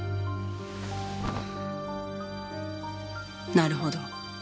なるほど。